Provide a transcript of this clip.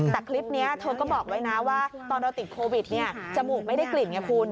แต่คลิปนี้เธอก็บอกไว้นะว่าตอนเราติดโควิดจมูกไม่ได้กลิ่นไงคุณ